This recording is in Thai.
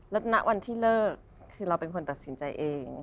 แล้วณวันที่เลิกคือเราเป็นคนตัดสินใจเอง